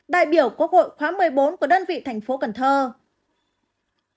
đại biểu quốc hội khóa một mươi bốn của đơn vị thành phố cần thơ